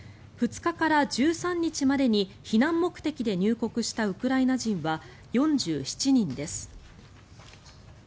２日から１３日までに避難目的で入国したウクライナ人は４７人です。